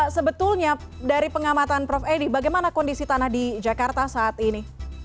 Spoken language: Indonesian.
sebetulnya dari pengamatan prof edi bagaimana kondisi tanah di jakarta saat ini